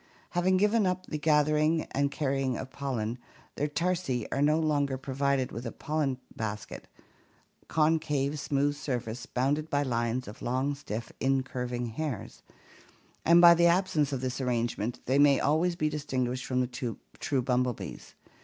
Having given up the gathering and carrying of pollen, their tarsi are no longer provided with a pollen basket (concave smooth surface, bounded by lines of long stiff incurving hairs) and by the absence of this arrangement they may always be distinguished from the true bumblebees.